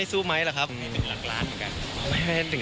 ไม่สู้ไมค์ไม่ถึง